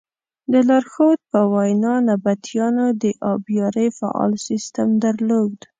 د لارښود په وینا نبطیانو د ابیارۍ فعال سیسټم درلود.